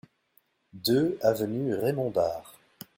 deux avenue Raymond Barre